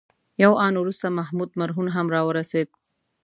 یو آن وروسته محمود مرهون هم راورسېد.